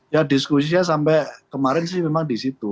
ya diskusinya sampai kemarin sih memang di situ